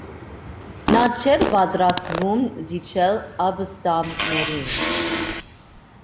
Նա չէր պատրաստվում զիջել ապստամբներին։